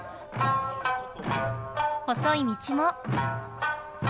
細い道も。